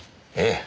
ええ。